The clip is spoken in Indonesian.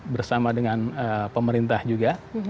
bersama dengan pemerintah juga